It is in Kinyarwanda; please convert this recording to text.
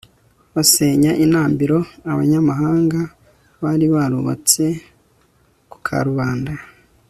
basenya intambiro abanyamahanga bari barubatse ku karubanda